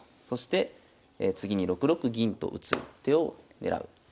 そして次に６六銀と打つ手を選ぶ。